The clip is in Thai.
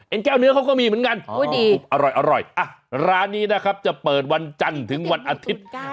แก้วเนื้อเขาก็มีเหมือนกันอร่อยร้านนี้นะครับจะเปิดวันจันทร์ถึงวันอาทิตย์